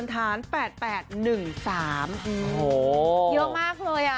โหเยอะมาก